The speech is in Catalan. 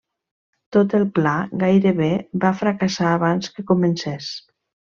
Tot el pla gairebé va fracassar abans que comencés.